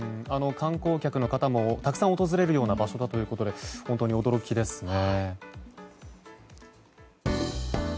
観光客の方もたくさん訪れるような場所だということで本当に驚きですね。